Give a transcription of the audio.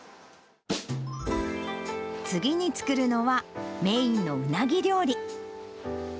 次に作るのは、メインのうなぎ料理。